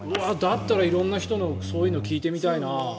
だったら色んな人のそういうのを聴いてみたいな。